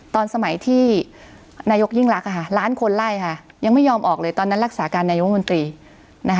ตอนสมัยที่นายกยิ่งรักล้านคนไล่ค่ะยังไม่ยอมออกเลยตอนนั้นรักษาการนายกมนตรีนะคะ